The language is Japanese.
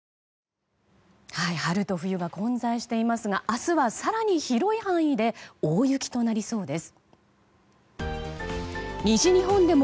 春と冬が混在していますが明日は更に広い範囲で大雪となりそうです。